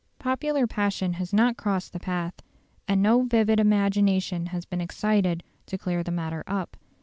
Popular passion has not crossed the path, and no vivid imagination has been excited to clear the matter up.